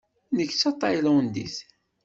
Nekk d tataylandit.